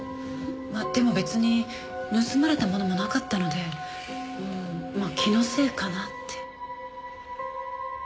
でも別に盗まれたものもなかったのでうーんまあ気のせいかなって。